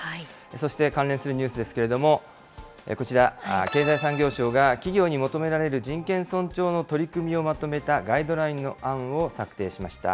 そして関連するニュースですけれども、こちら、経済産業省が企業に求められる人権尊重の取り組みをまとめたガイドラインの案を策定しました。